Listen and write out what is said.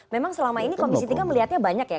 memang selama ini komisi tiga melihatnya banyak ya